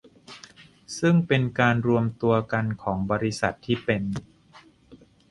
ซึ่งเป็นการรวมตัวกันของบริษัทที่เป็น